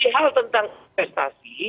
hal tentang investasi